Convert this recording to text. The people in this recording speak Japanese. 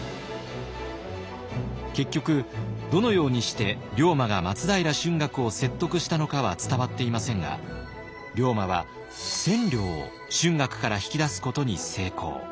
結局どのようにして龍馬が松平春嶽を説得したのかは伝わっていませんが龍馬は千両を春嶽から引き出すことに成功。